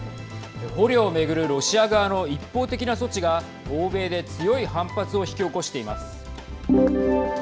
捕虜を巡るロシア側の一方的な措置が欧米で強い反発を引き起こしています。